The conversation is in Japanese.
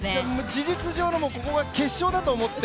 事実上のここが決勝だと思って。